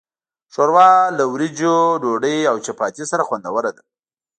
ښوروا له وریژو، ډوډۍ، او چپاتي سره خوندوره ده.